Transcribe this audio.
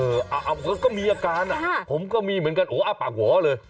เออก็มีอาการผมก็มีเหมือนกันอ้อปากหัวเลย